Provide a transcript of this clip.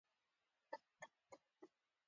ضروري څیزونه پکې کښېږدي.